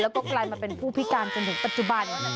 แล้วก็กลายมาเป็นผู้พิการจนถึงปัจจุบัน